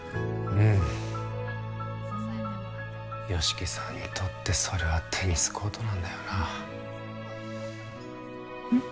うん吉木さんにとってそれはテニスコートなんだよなうん？